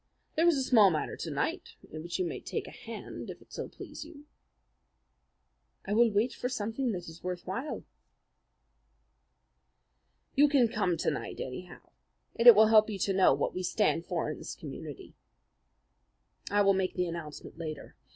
There is a small matter to night in which you may take a hand if it so please you." "I will wait for something that is worth while." "You can come to night, anyhow, and it will help you to know what we stand for in this community. I will make the announcement later.